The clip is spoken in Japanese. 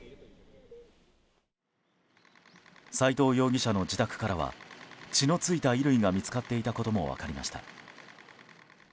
斎藤容疑者の自宅からは血の付いた衣類が見つかっていたことも分かりました。